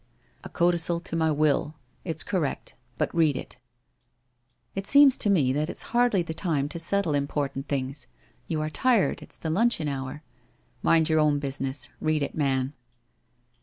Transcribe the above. ' A codicil to my will. It's correct. But read it.' * It seems to me that it's hardly the time to settle im portant things. You are tired — it's the luncheon hour.' * Mind your own business. Read it, man.'